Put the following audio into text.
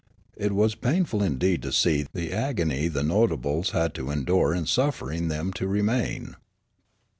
It was painful indeed to see the agony the notables had to endure in suffering them to remain.